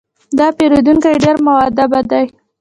دا پیرودونکی ډېر مؤدب دی.